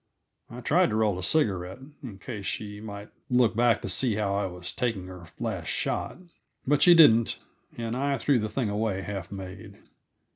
I tried to roll a cigarette in case she might look back to see how I was taking her last shot. But she didn't, and I threw the thing away half made.